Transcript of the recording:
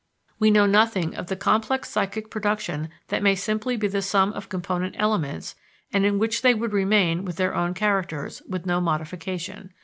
"We know nothing of the complex psychic production that may simply be the sum of component elements and in which they would remain with their own characters, with no modification.